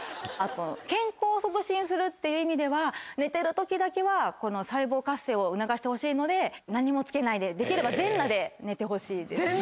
あと健康を促進するっていう意味では寝てる時だけは細胞活性を促してほしいので何もつけないでできれば全裸で寝てほしいです。